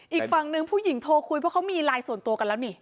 อีกฝั่งหนึ่งผู้หญิงโทรคุยเพราะเขามีไลน์ส่วนตัวกันแล้วนี่